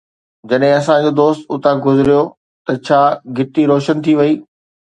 جڏهن اسان جو دوست اتان گذريو ته ڇا گهٽي روشن ٿي وئي؟